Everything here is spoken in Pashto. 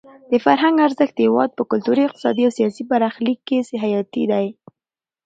د فرهنګ ارزښت د هېواد په کلتوري، اقتصادي او سیاسي برخلیک کې حیاتي دی.